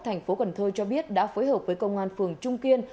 thành phố cần thơ cho biết đã phối hợp với công an phường trung kiên